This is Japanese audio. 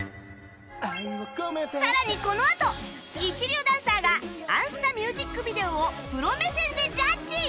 さらにこのあと一流ダンサーが『あんスタ』ミュージックビデオをプロ目線でジャッジ！